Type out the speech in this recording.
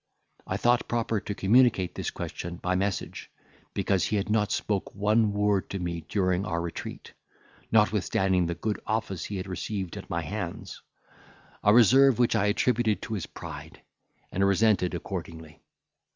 I thought proper to communicate this question by message, because he had not spoke one word to me during our retreat, notwithstanding the good office he had received at my hands; a reserve which I attributed to his pride, and resented accordingly.